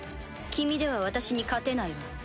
君では私に勝てないわ。